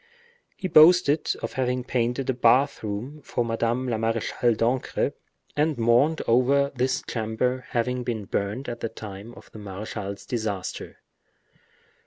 He boasted of having painted a bath room for Madame la Marechale d'Ancre, and mourned over this chamber having been burnt at the time of the marechal's disaster.